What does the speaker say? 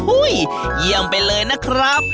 เยี่ยมไปเลยนะครับ